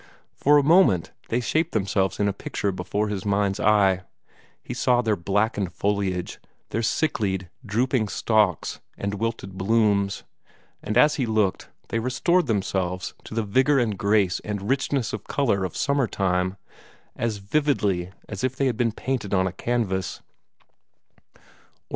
For a moment they shaped themselves in a picture before his mind's eye; he saw their blackened foliage, their sicklied, drooping stalks, and wilted blooms, and as he looked, they restored themselves to the vigor and grace and richness of color of summer time, as vividly as if they had been painted on a canvas.